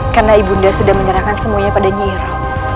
karena ibunda sudah menyerahkan semuanya pada nyihiroh